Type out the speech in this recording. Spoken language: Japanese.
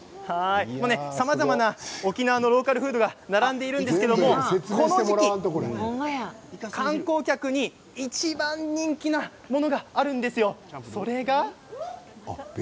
さまざまな沖縄のローカルフードが並んでいるんですけれどもこの時期、観光客にいちばん人気なものがあるんですよ。